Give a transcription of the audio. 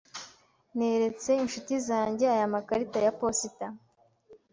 Neretse inshuti zanjye aya makarita ya posita.